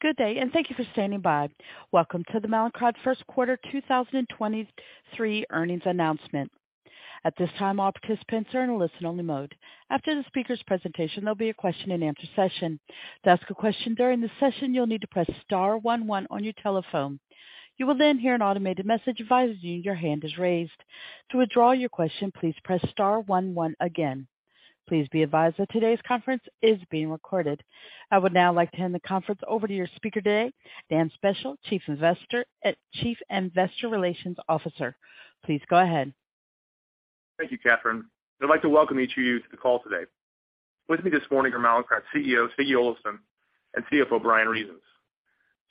Good day, and thank you for standing by. Welcome to the Mallinckrodt first quarter 2023 earnings announcement. At this time, all participants are in a listen-only mode. After the speaker's presentation, there'll be a question-and-answer session. To ask a question during the session, you'll need to press star one one on your telephone. You will then hear an automated message advising you your hand is raised. To withdraw your question, please press star one one again. Please be advised that today's conference is being recorded. I would now like to hand the conference over to your speaker today, Dan Speciale, Chief Investor and Chief Investor Relations Officer. Please go ahead. Thank you, Catherine. I'd like to welcome each of you to the call today. With me this morning are Mallinckrodt CEO, Siggi Olafsson, and CFO, Bryan Reasons.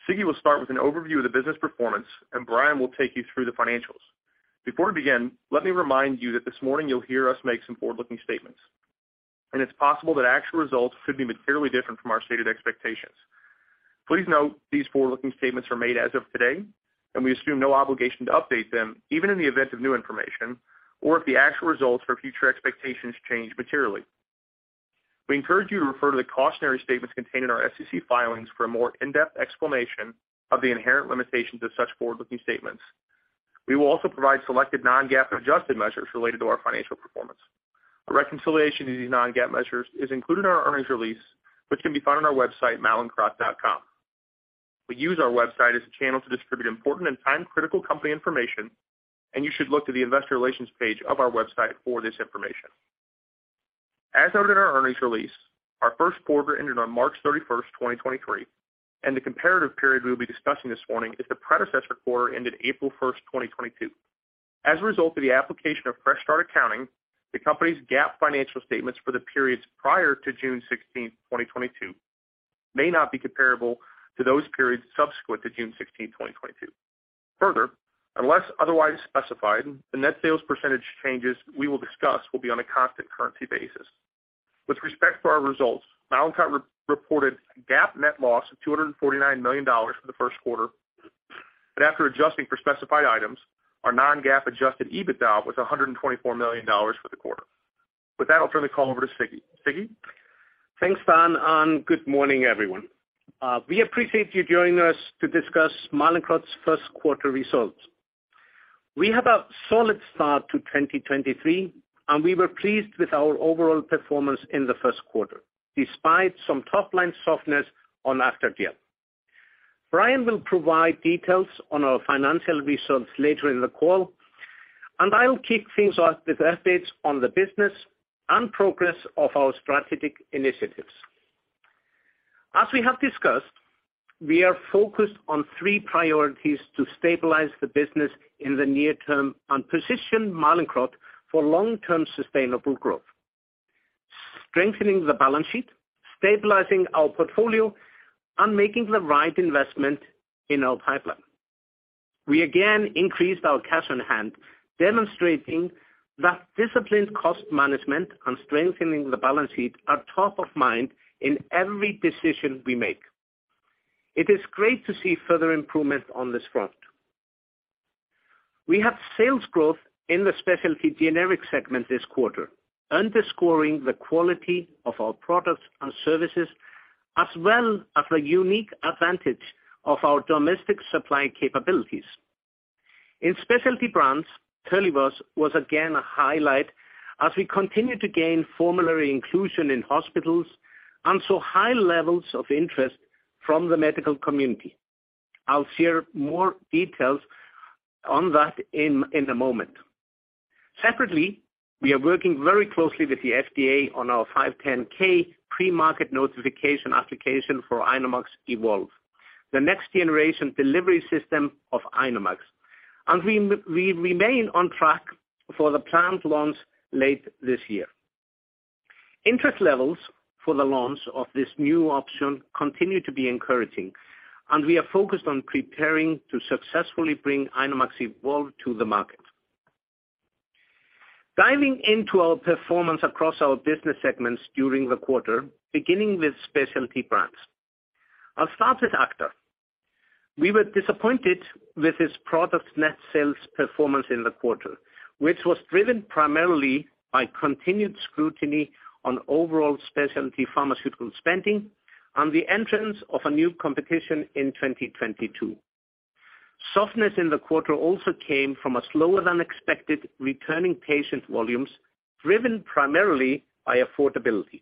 Siggi will start with an overview of the business performance, and Bryan will take you through the financials. Before we begin, let me remind you that this morning you'll hear us make some forward-looking statements, and it's possible that actual results could be materially different from our stated expectations. Please note these forward-looking statements are made as of today, and we assume no obligation to update them, even in the event of new information or if the actual results or future expectations change materially. We encourage you to refer to the cautionary statements contained in our SEC filings for a more in-depth explanation of the inherent limitations of such forward-looking statements. We will also provide selected non-GAAP adjusted measures related to our financial performance. A reconciliation to these non-GAAP measures is included in our earnings release, which can be found on our website, mallinckrodt.com. We use our website as a channel to distribute important and time-critical company information, and you should look to the investor relations page of our website for this information. As noted in our earnings release, our first quarter ended on March 31st, 2023, and the comparative period we'll be discussing this morning is the predecessor quarter ended April 1st, 2022. As a result of the application of fresh start accounting, the company's GAAP financial statements for the periods prior to June 16th, 2022 may not be comparable to those periods subsequent to June 16th, 2022. Unless otherwise specified, the net sales percentage changes we will discuss will be on a constant currency basis. With respect to our results, Mallinckrodt re-reported a GAAP net loss of $249 million for the first quarter. After adjusting for specified items, our non-GAAP Adjusted EBITDA was $124 million for the quarter. With that, I'll turn the call over to Siggi. Siggi? Thanks, Dan. Good morning, everyone. We appreciate you joining us to discuss Mallinckrodt's first quarter results. We had a solid start to 2023. We were pleased with our overall performance in the first quarter, despite some top-line softness on Acthar Gel. Bryan will provide details on our financial results later in the call. I will kick things off with updates on the business and progress of our strategic initiatives. As we have discussed, we are focused on three priorities to stabilize the business in the near term and position Mallinckrodt for long-term sustainable growth: strengthening the balance sheet, stabilizing our portfolio, and making the right investment in our pipeline. We again increased our cash on hand, demonstrating that disciplined cost management and strengthening the balance sheet are top of mind in every decision we make. It is great to see further improvement on this front. We have sales growth in the Specialty Generics segment this quarter, underscoring the quality of our products and services, as well as the unique advantage of our domestic supply capabilities. In Specialty Brands, StrataGraft was again a highlight as we continue to gain formulary inclusion in hospitals and saw high levels of interest from the medical community. I'll share more details on that in a moment. Separately, we are working very closely with the FDA on our 510(k) premarket notification application for INOmax Evolve, the next-generation delivery system of INOmax. We remain on track for the planned launch late this year. Interest levels for the launch of this new option continue to be encouraging, and we are focused on preparing to successfully bring INOmax Evolve to the market. Diving into our performance across our business segments during the quarter, beginning with Specialty Brands. I'll start with Acthar. We were disappointed with this product's net sales performance in the quarter, which was driven primarily by continued scrutiny on overall specialty pharmaceutical spending and the entrance of a new competition in 2022. Softness in the quarter also came from a slower than expected returning patient volumes, driven primarily by affordability.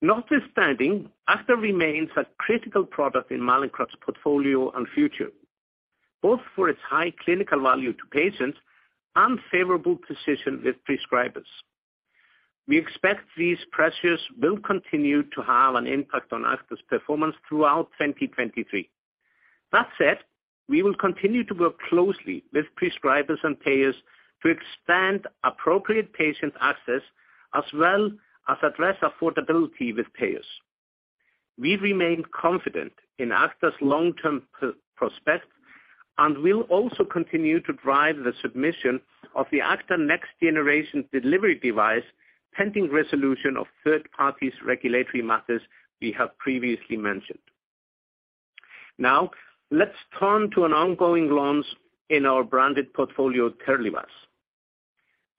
Notwithstanding, Acthar remains a critical product in Mallinckrodt's portfolio and future, both for its high clinical value to patients and favorable position with prescribers. We expect these pressures will continue to have an impact on Acthar's performance throughout 2023. We will continue to work closely with prescribers and payers to expand appropriate patient access as well as address affordability with payers. We remain confident in Acthar's long-term per-prospect and will also continue to drive the submission of the Acthar next-generation delivery device, pending resolution of third parties' regulatory matters we have previously mentioned. Now, let's turn to an ongoing launch in our branded portfolio, StrataGraft.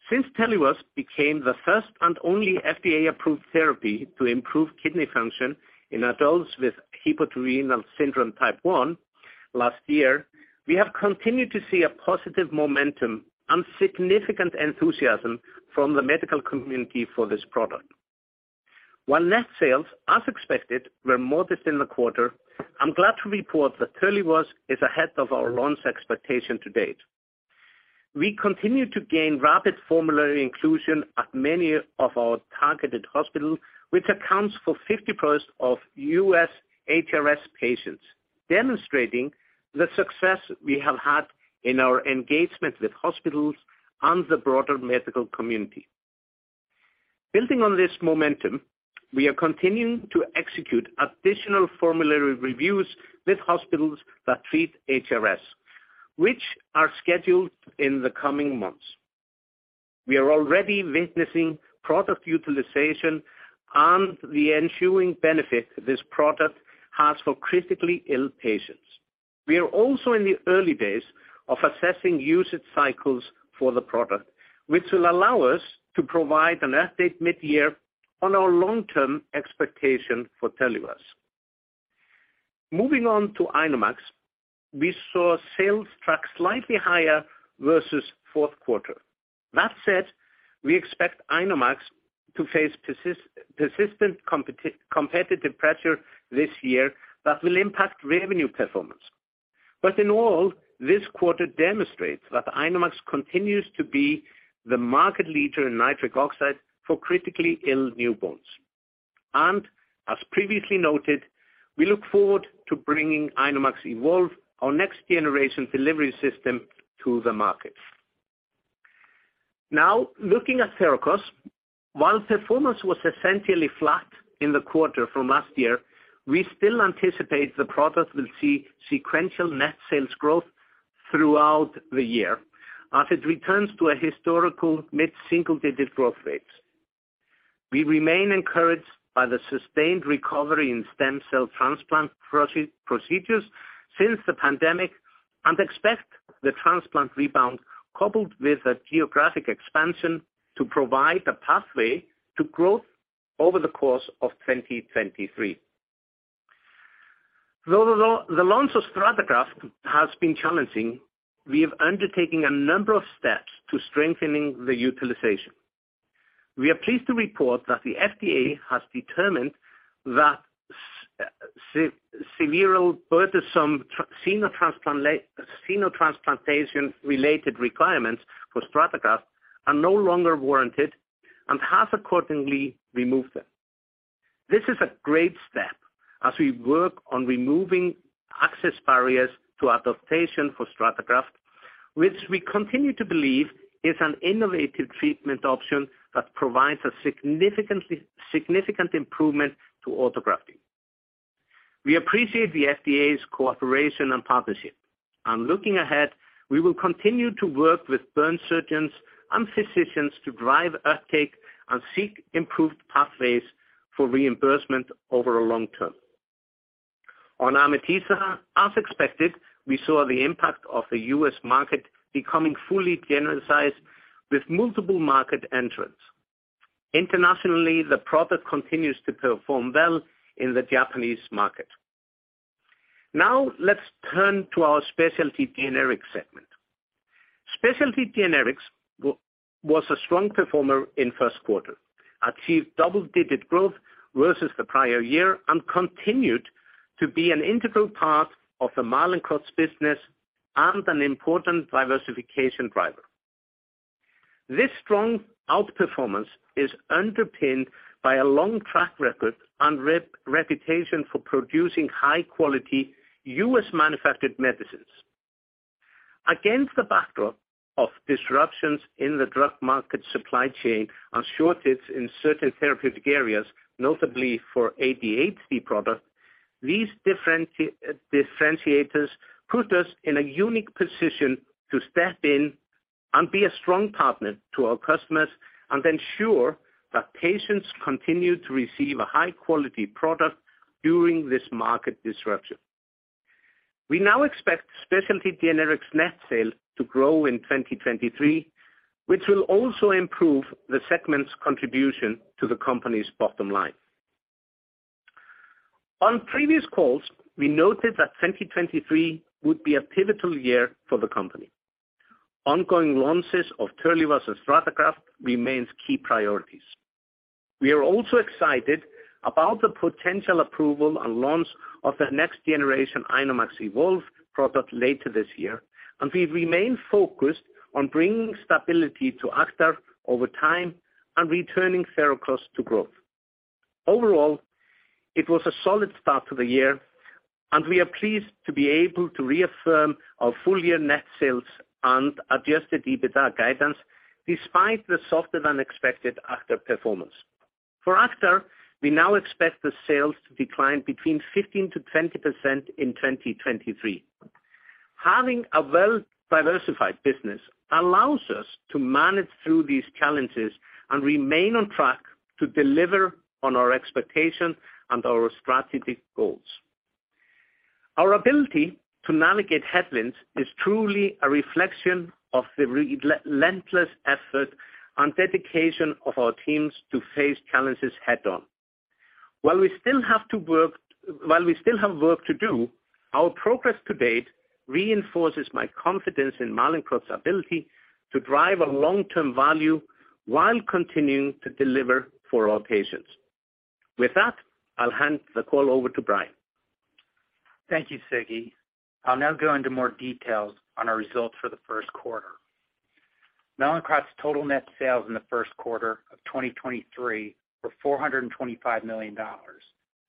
Since Terlivaz became the first and only FDA-approved therapy to improve kidney function in adults with hepatorenal syndrome Type 1 last year, we have continued to see a positive momentum and significant enthusiasm from the medical community for this product. While net sales, as expected, were modest in the quarter, I'm glad to report that Terlivaz is ahead of our launch expectation to date. We continue to gain rapid formulary inclusion at many of our targeted hospitals, which accounts for 50% of US HRS patients, demonstrating the success we have had in our engagement with hospitals and the broader medical community. Building on this momentum, we are continuing to execute additional formulary reviews with hospitals that treat HRS, which are scheduled in the coming months. We are already witnessing product utilization and the ensuing benefit this product has for critically ill patients. We are also in the early days of assessing usage cycles for the product, which will allow us to provide an update mid-year on our long-term expectation for Terlivaz. Moving on to INOmax, we saw sales track slightly higher versus fourth quarter. That said, we expect INOmax to face persistent competitive pressure this year that will impact revenue performance. In all, this quarter demonstrates that INOmax continues to be the market leader in nitric oxide for critically ill newborns. As previously noted, we look forward to bringing INOmax Evolve, our next generation delivery system, to the market. Looking at Therakos, while performance was essentially flat in the quarter from last year, we still anticipate the product will see sequential net sales growth throughout the year as it returns to a historical mid-single-digit growth rate. We remain encouraged by the sustained recovery in stem cell transplant procedures since the pandemic, and expect the transplant rebound coupled with a geographic expansion to provide a pathway to growth over the course of 2023. Though the launch of StrataGraft has been challenging, we have undertaking a number of steps to strengthening the utilization. We are pleased to report that the FDA has determined that severe burdensome xenotransplantation related requirements for StrataGraft are no longer warranted and has accordingly removed them. This is a great step as we work on removing access barriers to adaptation for StrataGraft, which we continue to believe is an innovative treatment option that provides a significant improvement to autografting. Looking ahead, we will continue to work with burn surgeons and physicians to drive uptake and seek improved pathways for reimbursement over a long term. On Amitiza, as expected, we saw the impact of the U.S. market becoming fully generalized with multiple market entrants. Internationally, the product continues to perform well in the Japanese market. Let's turn to our Specialty Generics segment. Specialty Generics was a strong performer in first quarter, achieved double-digit growth versus the prior year, and continued to be an integral part of the Mallinckrodt's business and an important diversification driver. This strong outperformance is underpinned by a long track record and reputation for producing high-quality U.S.-manufactured medicines. Against the backdrop of disruptions in the drug market supply chain and shortages in certain therapeutic areas, notably for ADHD products, these differentiators put us in a unique position to step in and be a strong partner to our customers and ensure that patients continue to receive a high-quality product during this market disruption. We now expect Specialty Generics net sales to grow in 2023, which will also improve the segment's contribution to the company's bottom line. On previous calls, we noted that 2023 would be a pivotal year for the company. Ongoing launches of Terlivaz and StrataGraft remains key priorities. We are also excited about the potential approval and launch of the next generation INOmax Evolve product later this year. We remain focused on bringing stability to Acthar over time and returning Therakos to growth. Overall, it was a solid start to the year, and we are pleased to be able to reaffirm our full-year net sales and Adjusted EBITDA guidance despite the softer than expected Acthar performance. For Acthar, we now expect the sales to decline between 15%-20% in 2023. Having a well-diversified business allows us to manage through these challenges and remain on track to deliver on our expectation and our strategic goals. Our ability to navigate headwinds is truly a reflection of the relentless effort and dedication of our teams to face challenges head-on. While we still have work to do, our progress to date reinforces my confidence in Mallinckrodt's ability to drive a long-term value while continuing to deliver for our patients. With that, I'll hand the call over to Bryan. Thank you, Siggi. I'll now go into more details on our results for the first quarter. Mallinckrodt's total net sales in the first quarter of 2023 were $425 million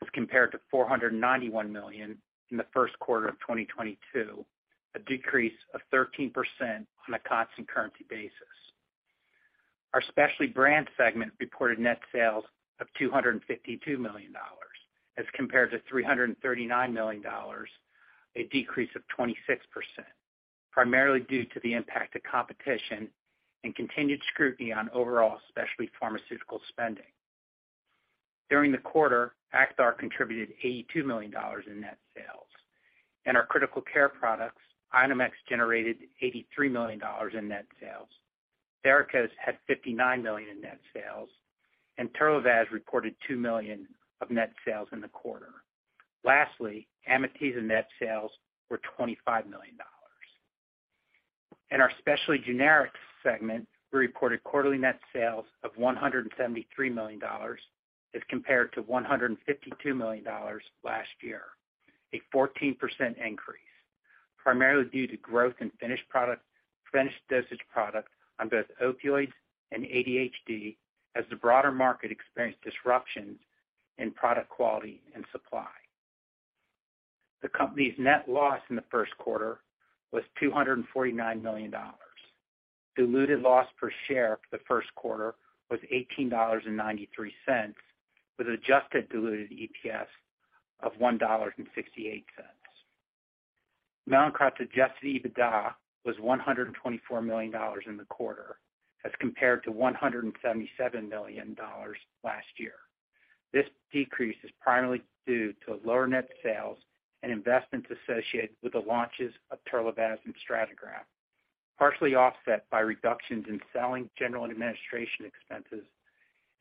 as compared to $491 million in the first quarter of 2022, a decrease of 13% on a constant currency basis. Our Specialty Brands segment reported net sales of $252 million as compared to $339 million, a decrease of 26%, primarily due to the impact of competition and continued scrutiny on overall specialty pharmaceutical spending. During the quarter, Acthar contributed $82 million in net sales, and our critical care products, INOmax generated $83 million in net sales. Therakos had $59 million in net sales, and Terlivaz reported $2 million of net sales in the quarter. Lastly, Amitiza net sales were $25 million. In our Specialty Generics segment, we reported quarterly net sales of $173 million as compared to $152 million last year, a 14% increase, primarily due to growth in finished dosage products on both opioids and ADHD, as the broader market experienced disruptions in product quality and supply. The company's net loss in the first quarter was $249 million. Diluted loss per share for the first quarter was $18.93, with adjusted diluted EPS of $1.68. Mallinckrodt's Adjusted EBITDA was $124 million in the quarter as compared to $177 million last year. This decrease is primarily due to lower net sales and investments associated with the launches of Terlivaz and StrataGraft, partially offset by reductions in selling, general and administration expenses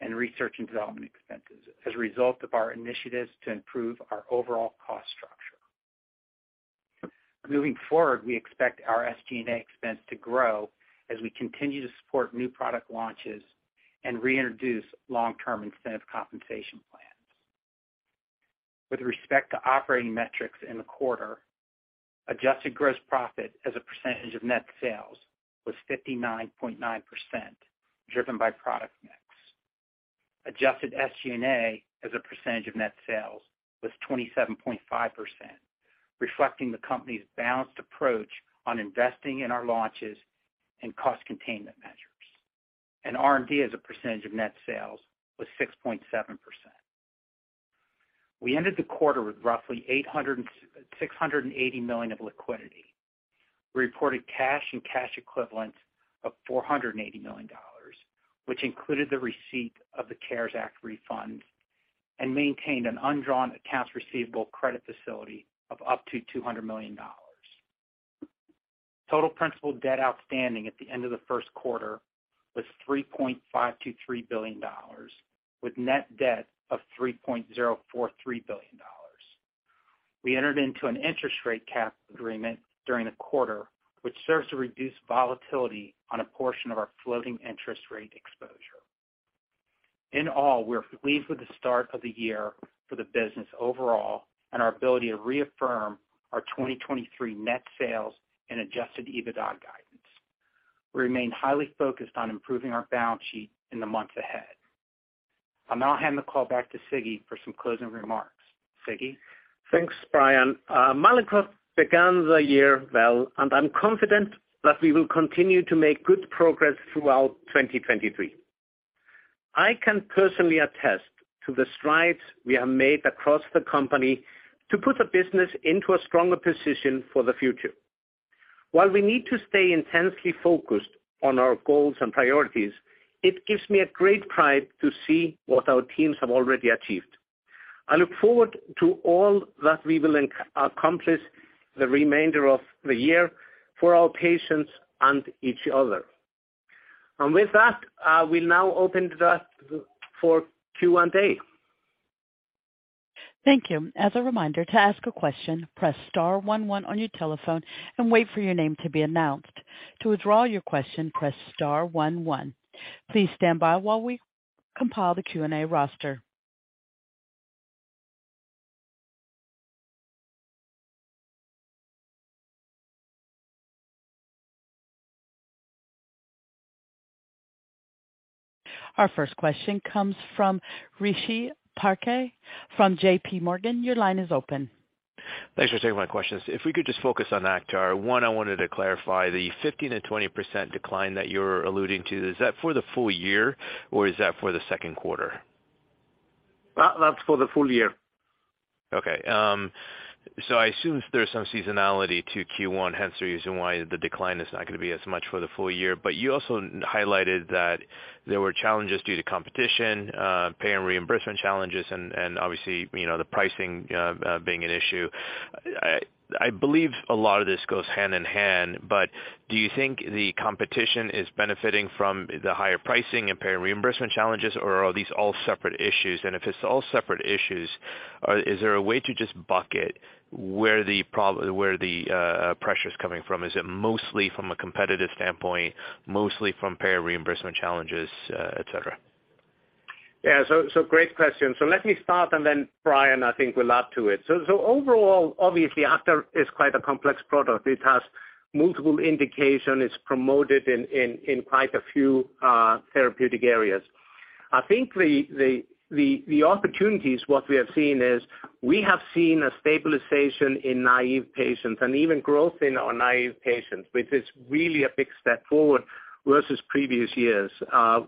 and research and development expenses as a result of our initiatives to improve our overall cost structure. Moving forward, we expect our SG&A expense to grow as we continue to support new product launches and reintroduce long-term incentive compensation plans. With respect to operating metrics in the quarter, adjusted gross profit as a percentage of net sales was 59.9%, driven by product mix. Adjusted SG&A as a percentage of net sales was 27.5%, reflecting the company's balanced approach on investing in our launches and cost containment measures. R&D as a percentage of net sales was 6.7%. We ended the quarter with roughly $680 million of liquidity. We reported cash and cash equivalents of $480 million, which included the receipt of the CARES Act refund and maintained an undrawn accounts receivable financing facility of up to $200 million. Total principal debt outstanding at the end of the first quarter was $3.523 billion, with net debt of $3.043 billion. We entered into an interest rate cap agreement during the quarter, which serves to reduce volatility on a portion of our floating interest rate exposure. In all, we're pleased with the start of the year for the business overall and our ability to reaffirm our 2023 net sales and Adjusted EBITDA guidance. We remain highly focused on improving our balance sheet in the months ahead. I'll now hand the call back to Siggi for some closing remarks. Siggi? Thanks, Bryan. Mallinckrodt began the year well, and I'm confident that we will continue to make good progress throughout 2023. I can personally attest to the strides we have made across the company to put the business into a stronger position for the future. While we need to stay intensely focused on our goals and priorities, it gives me great pride to see what our teams have already achieved. I look forward to all that we will accomplish the remainder of the year for our patients and each other. With that, I will now open that for Q&A. Thank you. As a reminder, to ask a question, press star one one on your telephone and wait for your name to be announced. To withdraw your question, press star one one. Please stand by while we compile the Q&A roster. Our first question comes from Rishi Parekh from JPMorgan. Your line is open. Thanks for taking my questions. If we could just focus on Acthar. One, I wanted to clarify the 15%-20% decline that you're alluding to, is that for the full year or is that for the second quarter? That's for the full year. I assume there's some seasonality to Q1, hence the reason why the decline is not gonna be as much for the full year. You also highlighted that there were challenges due to competition, payer reimbursement challenges and obviously, you know, the pricing being an issue. I believe a lot of this goes hand in hand, but do you think the competition is benefiting from the higher pricing and payer reimbursement challenges, or are these all separate issues? If it's all separate issues, is there a way to just bucket where the pressure's coming from? Is it mostly from a competitive standpoint, mostly from payer reimbursement challenges, etc.? Great question. Let me start, and then Bryan, I think, will add to it. Overall, obviously, Acthar is quite a complex product. It has multiple indication. It's promoted in quite a few therapeutic areas. I think the opportunities, what we have seen is we have seen a stabilization in naive patients and even growth in our naive patients, which is really a big step forward versus previous years.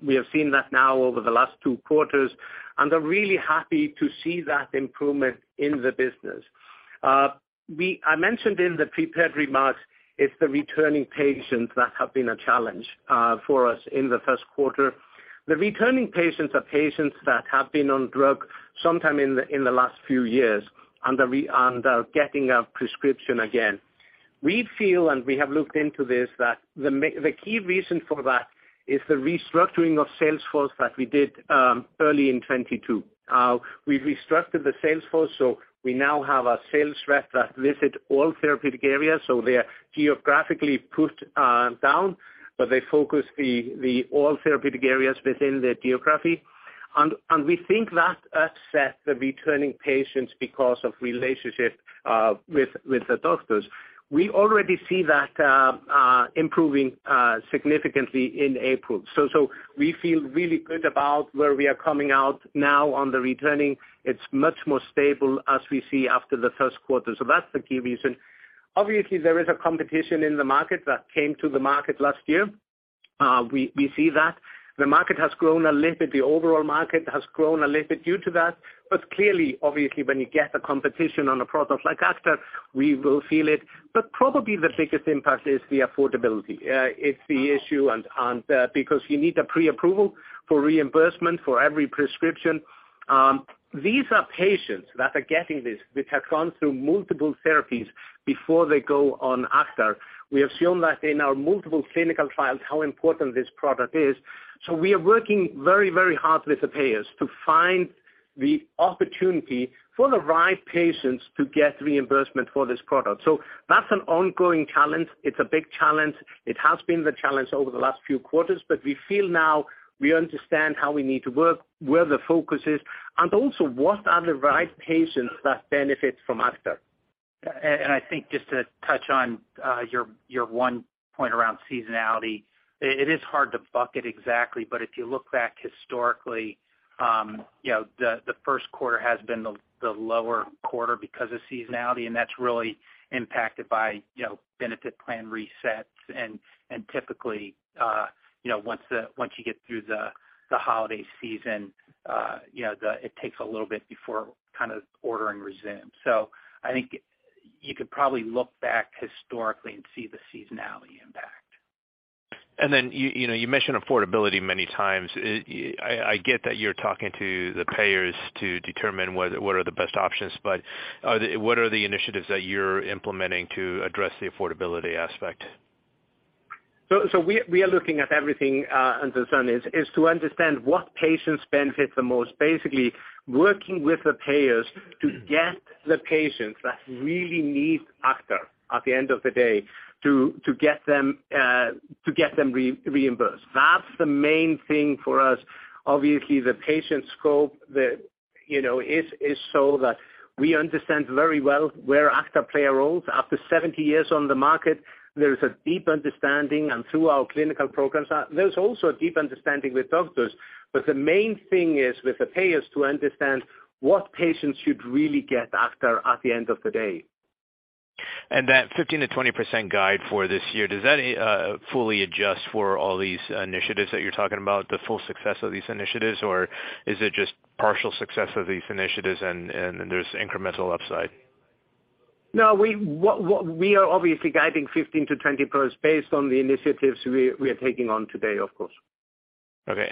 We have seen that now over the last two quarters, and I'm really happy to see that improvement in the business. I mentioned in the prepared remarks, it's the returning patients that have been a challenge for us in the first quarter. The returning patients are patients that have been on drug sometime in the last few years and are getting a prescription again. We feel, and we have looked into this, that the key reason for that is the restructuring of sales force that we did early in 2022. We restructured the sales force, so we now have a sales rep that visit all therapeutic areas, so they're geographically put down, but they focus all therapeutic areas within their geography. We think that upset the returning patients because of relationship with the doctors. We already see that improving significantly in April. We feel really good about where we are coming out now on the returning. It's much more stable as we see after the first quarter. That's the key reason. Obviously, there is a competition in the market that came to the market last year. we see that. The market has grown a little bit. The overall market has grown a little bit due to that. Clearly, obviously, when you get a competition on a product like Acthar, we will feel it. Probably the biggest impact is the affordability, it's the issue and, because you need a pre-approval for reimbursement for every prescription. These are patients that are getting this, which have gone through multiple therapies before they go on Acthar. We have shown that in our multiple clinical trials how important this product is. We are working very, very hard with the payers to find the opportunity for the right patients to get reimbursement for this product. That's an ongoing challenge. It's a big challenge. It has been the challenge over the last few quarters, but we feel now we understand how we need to work, where the focus is, and also what are the right patients that benefit from Acthar. I think just to touch on your one point around seasonality, it is hard to bucket exactly. If you look back historically, you know, the first quarter has been the lower quarter because of seasonality, and that's really impacted by, you know, benefit plan resets. Typically, you know, once you get through the holiday season, you know, it takes a little bit before kind of ordering resumes. I think you could probably look back historically and see the seasonality impact. Then, you know, you mention affordability many times. I get that you're talking to the payers to determine what are the best options, but, what are the initiatives that you're implementing to address the affordability aspect? We are looking at everything under the sun is to understand what patients benefit the most, basically working with the payers to get the patients that really need Acthar at the end of the day to get them reimbursed. That's the main thing for us. Obviously, the patient scope, you know, is so that we understand very well where Acthar play a role. After 70 years on the market, there is a deep understanding, and through our clinical programs, there's also a deep understanding with doctors. The main thing is with the payers to understand what patients should really get Acthar at the end of the day. That 15%-20% guide for this year, does that fully adjust for all these initiatives that you're talking about, the full success of these initiatives? Is it just partial success of these initiatives and there's incremental upside? No, we are obviously guiding 15% to 20% based on the initiatives we are taking on today, of course. Okay.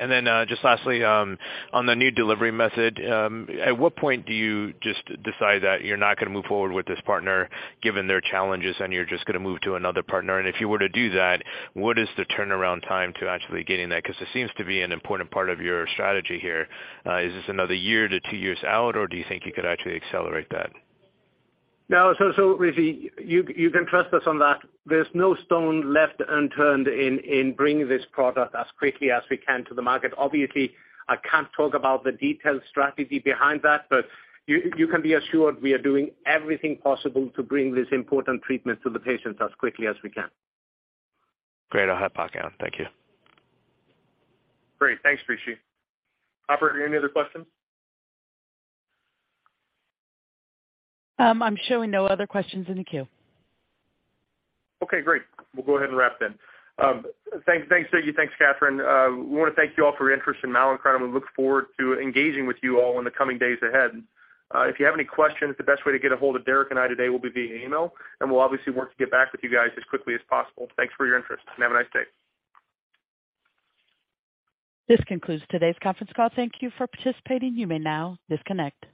Just lastly, on the new delivery method, at what point do you just decide that you're not gonna move forward with this partner given their challenges and you're just gonna move to another partner? If you were to do that, what is the turnaround time to actually getting that? 'Cause it seems to be an important part of your strategy here. Is this another one year to two years out, or do you think you could actually accelerate that? Rishi, you can trust us on that. There's no stone left unturned in bringing this product as quickly as we can to the market. Obviously, I can't talk about the detailed strategy behind that, you can be assured we are doing everything possible to bring this important treatment to the patients as quickly as we can. Great. I'll hop back out. Thank you. Great. Thanks, Rishi. Operator, any other questions? I'm showing no other questions in the queue. Okay, great. We'll go ahead and wrap then. Thanks, Siggi. Thanks, Catherine. We wanna thank you all for your interest in Mallinckrodt, and we look forward to engaging with you all in the coming days ahead. If you have any questions, the best way to get a hold of Derek and I today will be via email, and we'll obviously work to get back with you guys as quickly as possible. Thanks for your interest, and have a nice day. This concludes today's conference call. Thank you for participating. You may now disconnect.